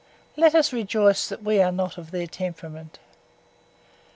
Let us rejoice that we are not of their temperament!